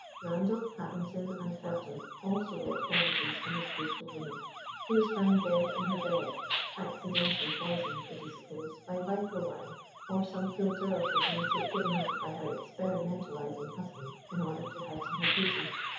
Randolph, Habington, and Feltham also wrote elegies on this beautiful woman, who was found dead in her bed, accidentally poisoned, it is supposed, by viper wine, or some philtre or cosmetic given her by her experimentalising husband in order to heighten her beauty.